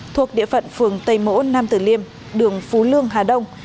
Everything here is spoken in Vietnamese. thuộc địa phận phường tây mỗ nam tử liêm đường phú lương hà đông